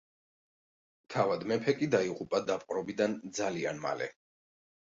თავად მეფე კი დაიღუპა დაპყრობიდან ძალიან მალე.